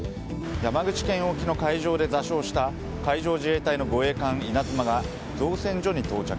山口県沖の海上で座礁した海上自衛隊の護衛艦「いなづま」が造船所に到着。